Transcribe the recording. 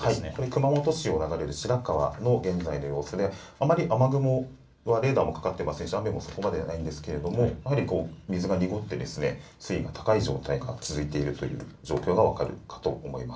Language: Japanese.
熊本市を流れる白川の現在の様子であまり雨雲はレーダーにもかかっていませんし雨もそこまでですがやはり水が濁って水位の高い状態が続いている状況が分かるかと思います。